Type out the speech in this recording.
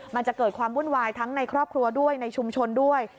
มันจะเกิดความวุ่นวายทั้งในครอบครัวด้วยในชุมชนด้วย